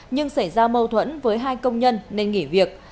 nhưng xảy ra mâu thuẫn với hai công nhân nên nghỉ việc